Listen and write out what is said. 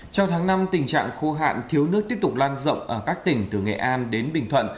trong tháng năm tình trạng khô hạn thiếu nước tiếp tục lan rộng ở các tỉnh từ nghệ an đến bình thuận